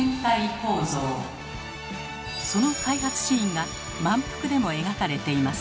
その開発シーンが「まんぷく」でも描かれています。